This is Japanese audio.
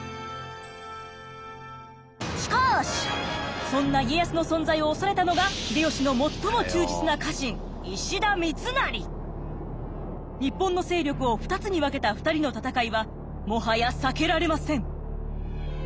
しかしそんな家康の存在を恐れたのが日本の勢力を２つに分けた２人の戦いはもはや避けられません！